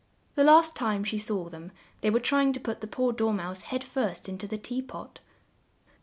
The last time she saw them, they were trying to put the poor Dor mouse head first in to the tea pot.